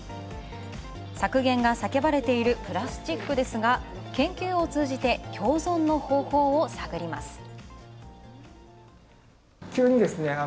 削減が叫ばれているプラスチックですが研究を通じて、共存の方法を探ります。